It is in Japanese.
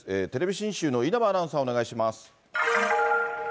信州の稲葉アナウンサー、お願いします。